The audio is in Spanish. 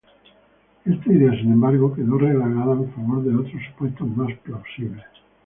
Esta idea, sin embargo, quedó relegada en favor de otros supuestos más plausibles.